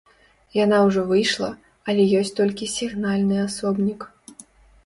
Яна ўжо выйшла, але ёсць толькі сігнальны асобнік.